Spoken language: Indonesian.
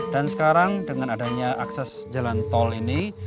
dan sekarang dengan adanya akses jalan tol ini